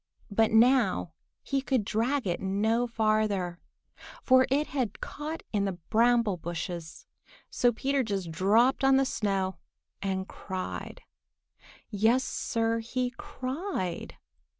But now he could drag it no farther, for it had caught in the bramble bushes. So Peter just dropped on the snow and cried. Yes, Sir, he cried!